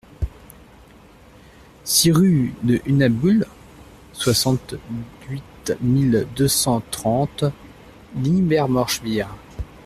six rue de Huhnabuhl, soixante-huit mille deux cent trente Niedermorschwihr